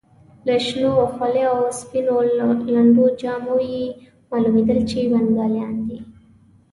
له شنو خولیو او سپینو لنډو جامو یې معلومېدل چې بنګالیان دي.